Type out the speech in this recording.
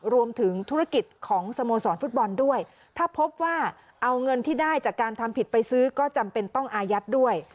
รวมถึงธุรกิจของสโมสรฟุตบอลด้วยถ้าพบว่าเอาเงินที่ได้จากการทำผิดไปซื้อก็จำเป็นต้องอายัดด้วย